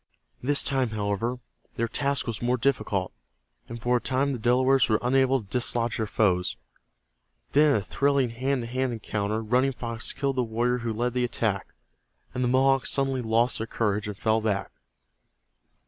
This time, however, their task was more difficult, and for a time the Delawares were unable to dislodge their foes. Then in a thrilling hand to hand encounter Running Fox killed the warrior who led the attack, and the Mohawks suddenly lost their courage, and fell back.